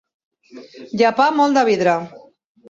Llepar molt de vidre.